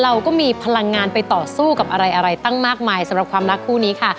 เราก็มีพลังงานไปต่อสู้กับอะไรอะไรตั้งมากมายสำหรับความรักคู่นี้ค่ะ